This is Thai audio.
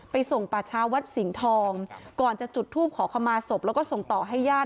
ส่งป่าช้าวัดสิงห์ทองก่อนจะจุดทูปขอขมาศพแล้วก็ส่งต่อให้ญาติ